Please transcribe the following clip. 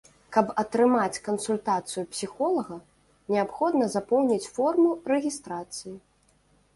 Каб атрымаць кансультацыю псіхолага, неабходна запоўніць форму рэгістрацыі.